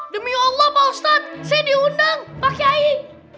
demi allah pak ustadz saya diundang pakai air